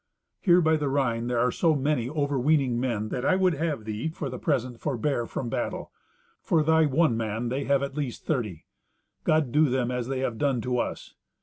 Here by the Rhine there are so many overweening men that I would have thee, for the present, forbear from battle; for thy one man they have at least the thirty. God do to them as they have done to us.